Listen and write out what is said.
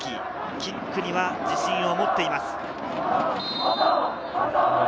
キックには自信を持っています。